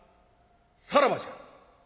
さらばじゃ」。